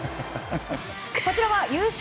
こちらは優勝